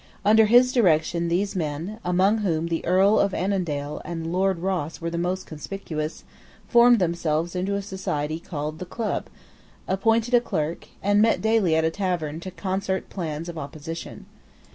Under his direction these men, among whom the Earl of Annandale and Lord Ross were the most conspicuous, formed themselves into a society called the Club, appointed a clerk, and met daily at a tavern to concert plans of opposition.